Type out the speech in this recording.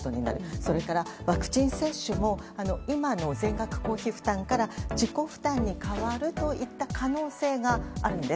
それからワクチン接種も今の全額公費負担から自己負担に変わるといった可能性があるんです。